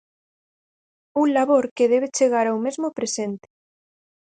Un labor que debe chegar ao mesmo presente.